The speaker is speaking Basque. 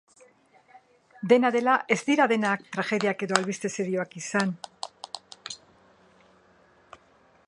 Dena dela, ez dira denak tragediak edo albiste serioak izan.